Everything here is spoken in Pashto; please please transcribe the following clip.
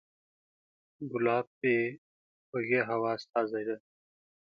ګلاب د خوږې هوا استازی دی.